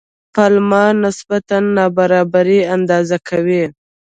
پالما نسبت نابرابري اندازه کوي.